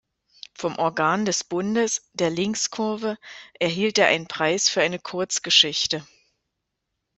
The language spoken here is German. Vom Organ des Bundes, der Linkskurve, erhielt er einen Preis für eine Kurzgeschichte.